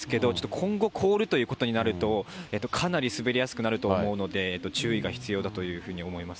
今後、凍るということになると、かなり滑りやすくなるとは思うので、注意が必要だというふうに思います。